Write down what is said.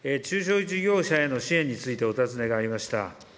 中小事業者への支援についてお尋ねがありました。